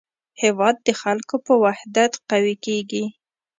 هېواد د خلکو په وحدت قوي کېږي.